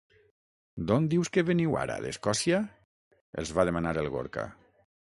D'on dius que veniu, ara, d'Escòcia? —els va demanar el Gorka.